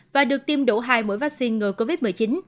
và được tiêm đủ hai mũi vaccine ngừa covid một mươi chín